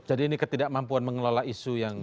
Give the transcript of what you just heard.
jadi ini ketidakmampuan mengelola isu yang